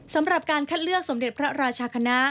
สำหรับการคัดเลือกสมเด็จพระราชคณะ